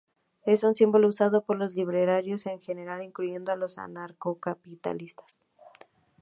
Es un símbolo usado por los libertarios en general, incluyendo a los anarcocapitalistas.